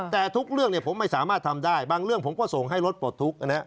แต่ทุกเรื่องผมไม่สามารถทำได้บางเรื่องผมก็ส่งให้รถปลดทุกข์